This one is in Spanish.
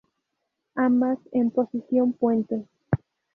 Ambas en posición puente.